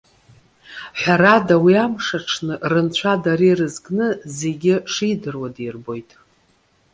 Ҳәарада, уи амш аҽны рынцәа, дара ирызкны зегьы шидыруа дирбоит!